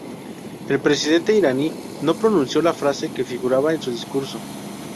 El presidente Iraní no pronunció la frase que figuraba en su discurso.